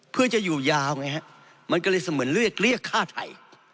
เพื่อจะอยู่ยาวไงฮะมันก็เลยเสมือนเรียกเรียกฆ่าไทย